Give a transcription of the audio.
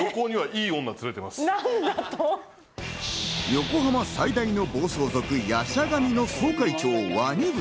横浜最大の暴走族、夜叉神の総会長・鰐淵。